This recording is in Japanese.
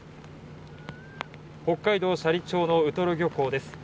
北海道斜里町のウトロ漁港です